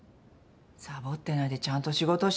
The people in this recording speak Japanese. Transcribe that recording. サボってないでちゃんと仕事して。